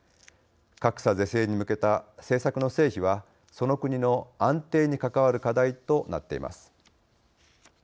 格差是正に向けた政策の成否はその国の安定に関わる課題となっています。